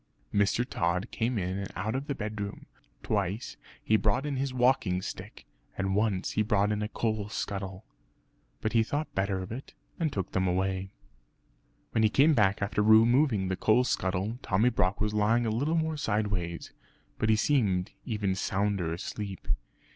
Mr. Tod came in and out of the bedroom. Twice he brought in his walking stick, and once he brought in the coal scuttle. But he thought better of it, and took them away. When he came back after removing the coal scuttle, Tommy Brock was lying a little more sideways; but he seemed even sounder asleep.